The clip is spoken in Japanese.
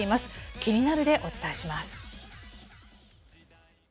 キニナル！でお伝えします。